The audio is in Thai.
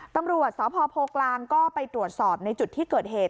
ตำรวจสพโพกลางก็ไปตรวจสอบในจุดที่เกิดเหตุ